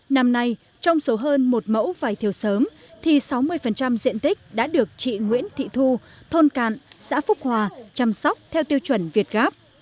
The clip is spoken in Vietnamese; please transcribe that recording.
năm nay trong số hơn một mẫu vải thiều sớm thì sáu mươi diện tích đã được chị nguyễn thị thu thôn cạn xã phúc hòa chăm sóc theo tiêu chuẩn việt gáp